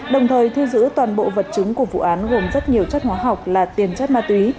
đồng thời thu giữ toàn bộ vật chứng của vụ án gồm rất nhiều chất hóa học là tiền chất ma túy